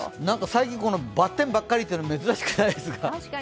最近、バッテンばっかりというのは珍しくないですか。